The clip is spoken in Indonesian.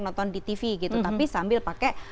nonton di tv gitu tapi sambil pakai